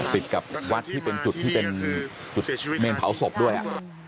ติดกับวัดที่เป็นจุดที่เป็นจุดเมนเผาศพด้วย